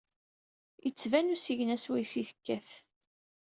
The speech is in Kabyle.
Ittban usigna swayes i tekkat.